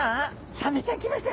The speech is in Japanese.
サメちゃん来ました。